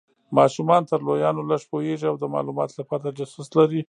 ماشومان تر لویانو لږ پوهیږي او د مالوماتو لپاره تجسس لري.